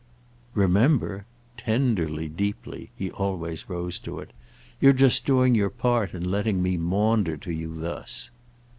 "Remember? Tenderly, deeply"—he always rose to it. "You're just doing your part in letting me maunder to you thus."